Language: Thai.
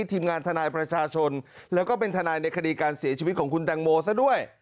ทีมงานทนายประชาชนแล้วก็เป็นทนายในคดีการเสียชีวิตของคุณแตงโมซะด้วย